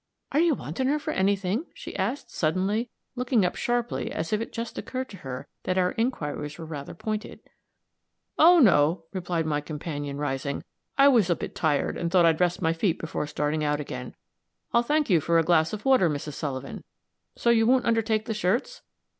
"Are you wanting her for any thing?" she asked, suddenly, looking up sharply as if it just occurred to her that our inquiries were rather pointed. "Oh, no," replied my companion, rising; "I was a bit tired, and thought I'd rest my feet before starting out again. I'll thank you for a glass of water, Mrs. Sullivan. So you won't undertake the shirts?"